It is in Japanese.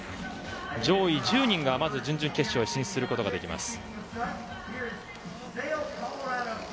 上位１０人が準々決勝に進出することができます。